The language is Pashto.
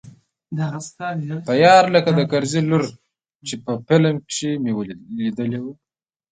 تيار لکه د کرزي لور چې په فلم کښې مې ليدلې وه.